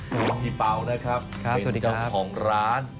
บางที่เปล่านะครับเป็นเจ้าของร้าน